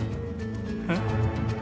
えっ？